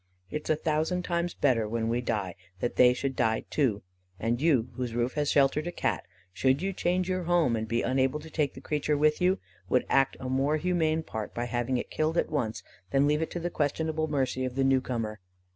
It is a thousand times better when we die that they should die too; and you, whose roof has sheltered a Cat, should you change your home, and be unable to take the creature with you, would act a more humane part by having it killed at once than leave it to the questionable mercy of the new comer.